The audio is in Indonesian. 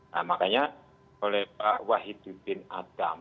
nah makanya oleh pak wahid dibin ada